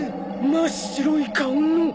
真っ白い顔の。